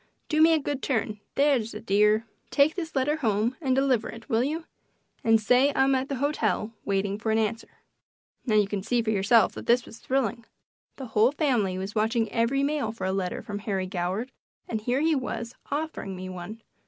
Do me a good turn that's a dear. Take this letter home and deliver it. Will you? And say I'm at the hotel waiting for an answer." Now, you can see yourself that this was thrilling. The whole family was watching every mail for a letter from Harry Goward and here he was offering me one!